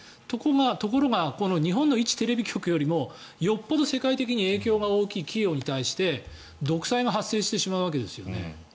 ところがこの日本の一テレビ局よりもよっぽど世界的に影響力が大きい企業に対して独裁が発生してしまうわけですよね。